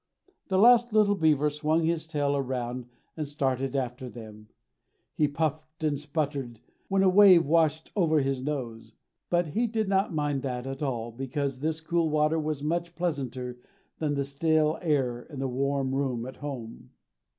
The last little beaver swung his tail around and started after them. He puffed and sputtered when a wave washed over his nose. But he did not mind that at all, because this cool water was much pleasanter than the stale air in the warm room at home.